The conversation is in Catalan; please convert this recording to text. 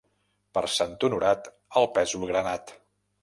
Per Sant Honorat, el pèsol granat.